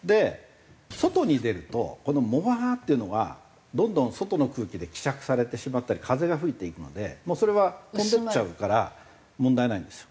外に出るとこのモワーッていうのがどんどん外の空気で希釈されてしまったり風が吹いていくのでそれは飛んでいっちゃうから問題ないんですよ。